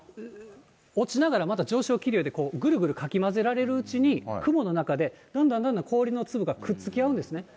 落ちながら、まだ上昇気流でぐるぐるかき混ぜられるうちに、雲の中でどんどんどんどん氷の粒がくっつき合うんですね。